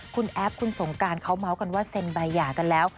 คุณแอฟคุณสงการเขาเมาส์กันว่าเซ็นใบหย่ากันแล้ว